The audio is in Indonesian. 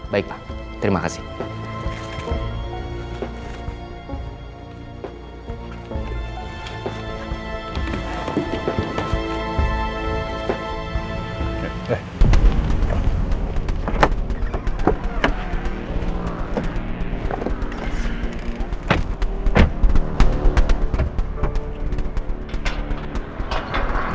baik pak terima kasih